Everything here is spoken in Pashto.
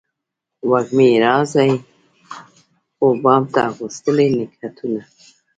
وږمې راځي و بام ته اغوستلي نګهتونه